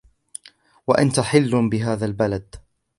وَأَنْتَ حِلٌّ بِهَذَا الْبَلَدِ